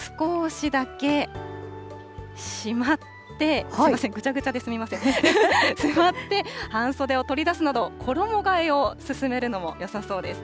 しまって、半袖を取り出すなど衣がえを進めるのもよさそうです。